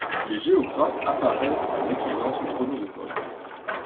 Les géographes apparaissent en maîtrisant ce trognon de pomme.